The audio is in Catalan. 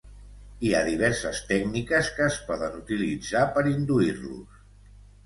hi ha diverses tècniques que es poden utilitzar per induir-los